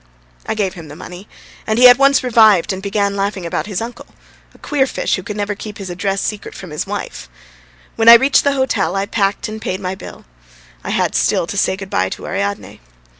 I gave him the money, and he at once revived and began laughing about his uncle, a queer fish, who could never keep his address secret from his wife. When I reached the hotel I packed and paid my bill. I had still to say good bye to Ariadne.